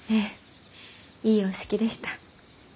いいお式でした。